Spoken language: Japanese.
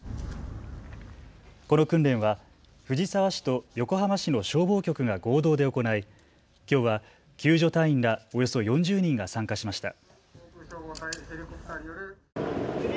この訓練は藤沢市と横浜市の消防局が合同で行いきょうは救助隊員らおよそ４０人が参加しました。